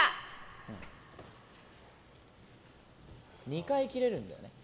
２回切れるんだよね。